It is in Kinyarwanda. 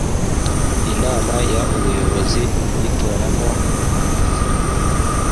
inama y ubuyobozi yitoramo umwanditsi